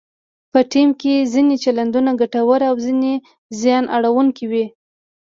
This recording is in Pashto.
په ټیم کې ځینې چلندونه ګټور او ځینې زیان اړونکي وي.